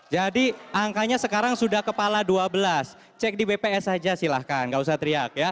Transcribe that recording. jadi angkanya sekarang sudah kepala dua belas cek di bps saja silahkan enggak usah teriak